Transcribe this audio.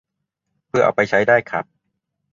เผื่อเอาไปใช้ได้ครับ